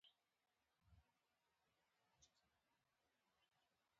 له هر چا سره د وچکالۍ او لوږې ډېر غم و.